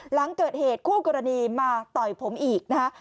หลังเกิดเหตุคู่กรณีมาต่อยผมอีกนะฮะ